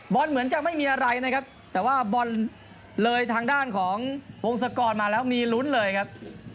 เหมือนจะไม่มีอะไรนะครับแต่ว่าบอลเลยทางด้านของพงศกรมาแล้วมีลุ้นเลยครับ